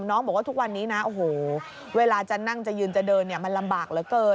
บอกว่าทุกวันนี้นะโอ้โหเวลาจะนั่งจะยืนจะเดินเนี่ยมันลำบากเหลือเกิน